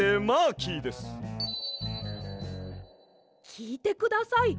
きいてください。